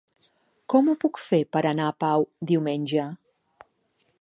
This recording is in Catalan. Com ho puc fer per anar a Pau diumenge?